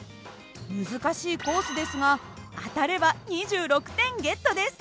難しいコースですが当たれば２６点ゲットです。